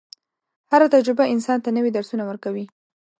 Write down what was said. هره تجربه انسان ته نوي درسونه ورکوي.